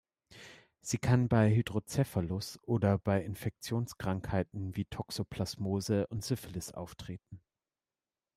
Sie kann bei Hydrocephalus oder bei Infektionskrankheiten wie Toxoplasmose und Syphilis auftreten.